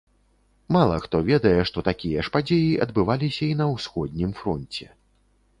Мала хто ведае, што такія ж падзеі адбываліся і на ўсходнім фронце.